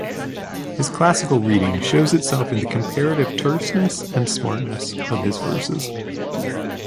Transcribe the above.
His classical reading shows itself in the comparative terseness and smartness of his verses.